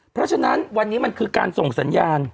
เพราะฉะนั้นวันนี้มันคือการส่งสัญญาณ